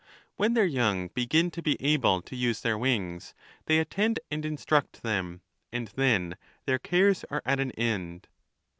When their young begin to be able to use their wings, they at tend and instruct them ; and then their cares are at an end.